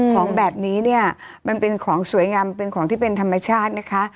ของแบบนี้เนี่ยมันเป็นของสวยงามเป็นของที่เป็นธรรมชาตินะคะ